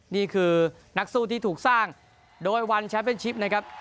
นี่คือนักสู้ที่ถูกสร้างโดยวันแชมป์เป็นชิปนะครับ